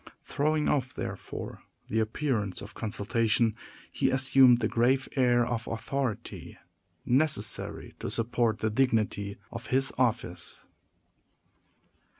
Throwing off, therefore, the appearance of consultation, he assumed the grave air of authority necessary to support the dignity of his office.